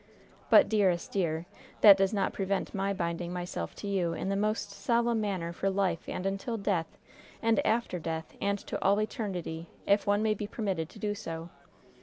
"But, dearest dear! that does not prevent my binding myself to you in the most solemn manner for life and until death, and after death and to all eternity, if one may be permitted to do so.